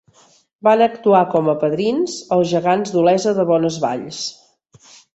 Van actuar com a padrins els gegants d’Olesa de Bonesvalls.